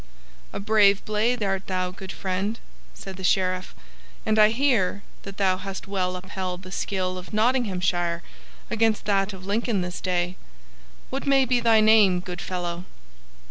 "A brave blade art thou, good friend," said the Sheriff, "and I hear that thou hast well upheld the skill of Nottinghamshire against that of Lincoln this day. What may be thy name, good fellow?"